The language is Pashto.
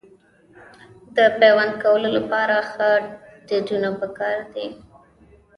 د پیوند کولو لپاره ښه ډډونه پکار دي.